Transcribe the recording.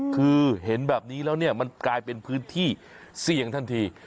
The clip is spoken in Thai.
คือเห็นแบบนี้แล้วเนี่ยมันกลายเป็นพื้นที่เสี่ยงทันที